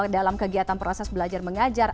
dalam kegiatan proses belajar mengajar